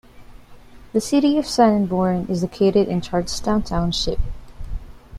The city of Sanborn is located in Charlestown Township.